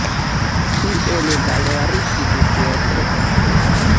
Kiel valorigi bibliotekon.